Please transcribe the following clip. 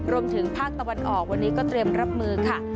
รวมถึงภาคตะวันออกวันนี้ก็เตรียมรับมือค่ะ